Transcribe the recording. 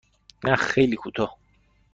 نه خیلی کوتاه.